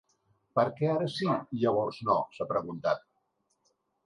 Per què ara sí i llavors no?, s’ha preguntat.